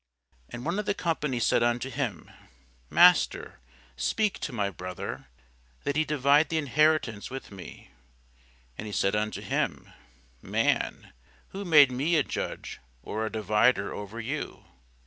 And one of the company said unto him, Master, speak to my brother, that he divide the inheritance with me. And he said unto him, Man, who made me a judge or a divider over you?